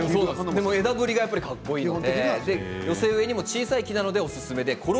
でも枝ぶりがかっこいいので寄せ植えなども小さい木なのでおすすめです。